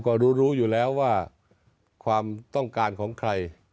ก็รู้รู้อยู่แล้วว่าความต้องการของใคร